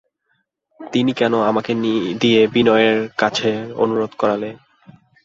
তুমি কেন আমাকে দিয়ে বিনয়ের কাছে অনুরোধ করালে?